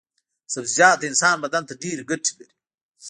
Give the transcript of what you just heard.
سبزيجات د انسان بدن ته ډېرې ګټې لري.